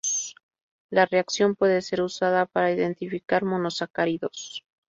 La reacción puede ser usada para identificar monosacáridos.